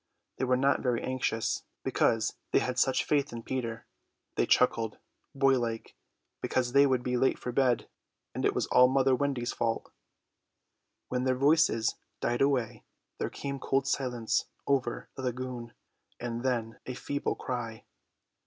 They were not very anxious, because they had such faith in Peter. They chuckled, boylike, because they would be late for bed; and it was all mother Wendy's fault! When their voices died away there came cold silence over the lagoon, and then a feeble cry.